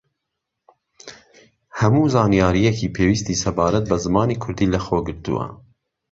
هەموو زانیارییەکی پێویستی سەبارەت بە زمانی کوردی لە خۆگرتووە